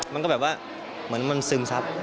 มันก็แบบว่าเหมือนมันซึมซับ